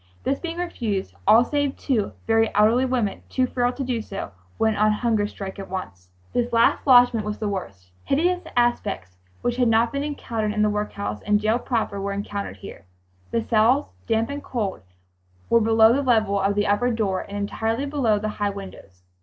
This being refused, all save two very elderly women, too frail to do so, went on hunger strike at once. This last lodgment was the worst. Hideous aspects which had not been encountered in the workhouse and jail proper were encountered here. The cells, damp and cold, were below the level of the upper door and entirely below the high windows.